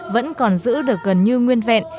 vẫn còn giữ được gần như nguyên vẹn